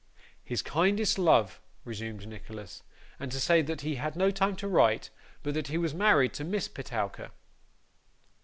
'His kindest love,' resumed Nicholas; 'and to say that he had no time to write, but that he was married to Miss Petowker.